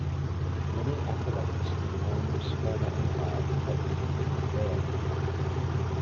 Many aqueducts in Rome's former empire were kept in good repair.